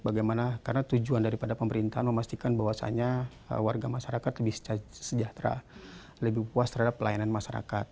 bagaimana karena tujuan daripada pemerintahan memastikan bahwasannya warga masyarakat lebih sejahtera lebih puas terhadap pelayanan masyarakat